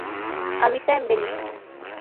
Habita en Belice.